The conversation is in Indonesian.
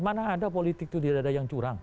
mana ada politik itu tidak ada yang curang